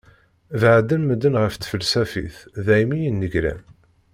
Beɛden medden ɣef tfelsafit daymi i nnegran.